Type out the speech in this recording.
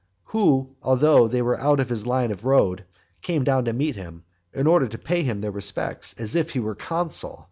who, although they were out of his line of road, came down to meet him, in order to pay him their respects, as if he were consul.